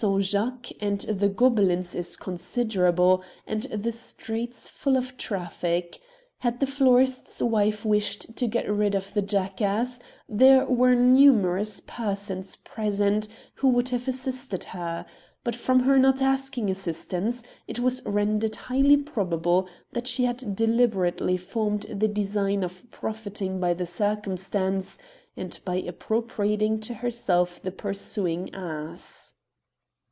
Jacques and the Gobelins is considerable, and the streets full of traffic. Had the florist's wife wished to get rid of the jackass, there were numerous persons present who would have assisted her ; but from her not ask ing assistance, it was rendered highly probable that she had deliberately formed the design of profiting by the circumstance, and of appropriating to herself the pursuing ass.